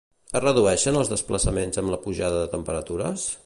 Es redueixen els desplaçaments amb la pujada de temperatures?